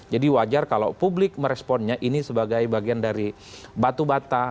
jadi wajar kalau publik meresponnya ini sebagai bagian dari batu batu